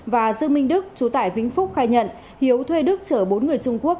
và dương minh đức chú tải vĩnh phúc khai nhận hiếu thuê đức chở bốn người trung quốc